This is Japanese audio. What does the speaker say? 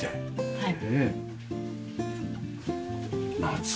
はい。